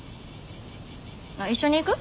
あっ一緒に行く？